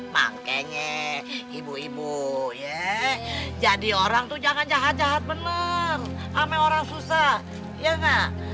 makanya ibu ibu ya jadi orang tuh jangan jahat jahat benar amai orang susah ya nggak